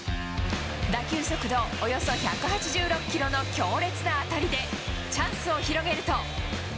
打球速度およそ１８６キロの強烈な当たりで、チャンスを広げると。